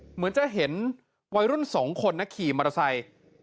เหมือนจะเห็นวัยรุ่น๒คนนะขี่มอเตอร์ไซค์